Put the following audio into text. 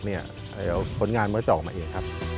จะเอาผลงานมัตต์ชอบออกมาเอง